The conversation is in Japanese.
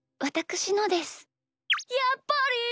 やっぱり！？